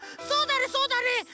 そうだねそうだね！